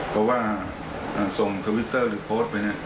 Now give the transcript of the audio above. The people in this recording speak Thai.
เพราะว่าส่งทวิตเตอร์หรือโพสต์ไปเนี่ย